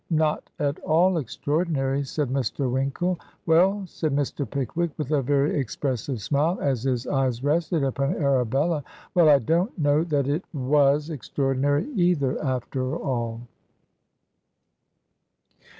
'Not at aU extraordinary,' said Mr. Winkle. 'Well,' said Mr. Pickwick, with a very expressive smile, as his eyes rested upon Arabella — 'well, I don't know that it uxLS extraordinary, either, after all.'